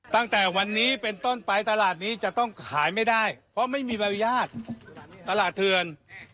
ตั้งแต่วันนี้เป็นต้นไปตลาดนี้จะต้องขายไม่ได้เพราะไม่มีใบอนุญาตตลาดเถื่อน